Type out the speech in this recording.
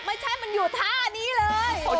ไม่ใช่มันอยู่ท่านี้เลย